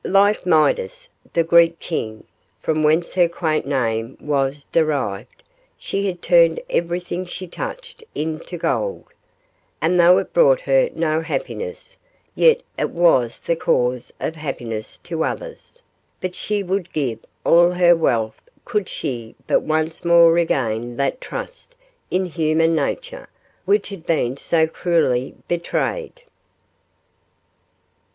Like Midas, the Greek King, from whence her quaint name was derived, she had turned everything she touched into gold, and though it brought her no happiness, yet it was the cause of happiness to others; but she would give all her wealth could she but once more regain that trust in human nature which had been so cruelly betrayed.